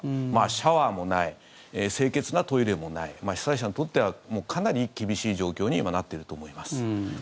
シャワーもない清潔なトイレもない被災者にとってはもうかなり厳しい状況に今なっていると思います。